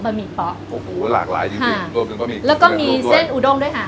บะหมี่ป๋อโอ้โหหลากหลายจริงจริงครับโลกถึงบะหมี่แล้วก็มีเส้นอุดมด้วยค่ะ